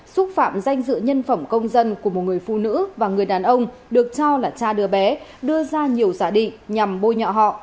xúc phạm danh dự nhân phẩm công dân của một người phụ nữ và người đàn ông được cho là cha đưa bé đưa ra nhiều giả định nhằm bôi nhọ họ